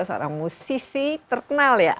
seorang musisi terkenal ya